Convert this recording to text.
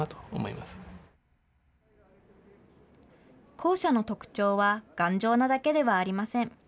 校舎の特徴は頑丈なだけではありません。